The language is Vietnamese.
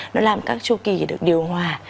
nó làm các chu kỳ được điều hòa